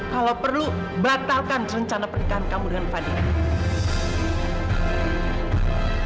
kalau perlu batalkan rencana pernikahan kamu dengan fadli